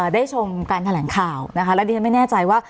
ชมการแถลงข่าวนะคะแล้วดิฉันไม่แน่ใจว่า